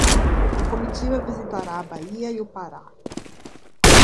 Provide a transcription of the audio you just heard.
A comitiva visitará a Bahia e o Pará